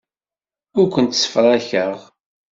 Ur kent-ssefrakeɣ.